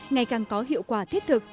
ngày càng có hiệu quả thiết thực